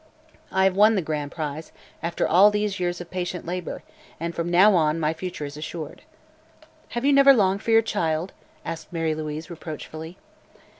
I have won the Grand Prize, after all these years of patient labor, and from now on my future is assured." "Have you never longed for your child?" asked Mary Louise reproachfully.